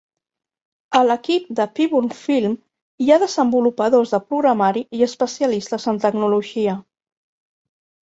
A l'equip de Pyburn Film hi ha desenvolupadors de programari i especialistes en tecnologia.